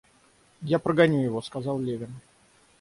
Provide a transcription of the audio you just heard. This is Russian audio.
Я прогоню его, — сказал Левин.